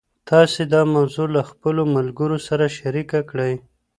تاسي دا موضوع له خپلو ملګرو سره شریکه کړئ.